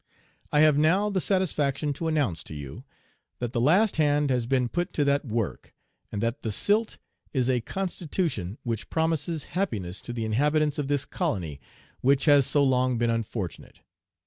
I have now the satisfaction to announce to you, that the last hand has been put to that work, and that the silt is a constitution which promises happiness to the inhabitants of this colony, which has so long been unfortunate.